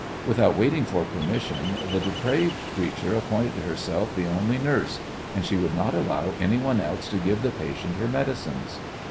Without waiting for permission the depraved creature appointed herself the only nurse, and she would not allow anyone else to give the patient her medicines.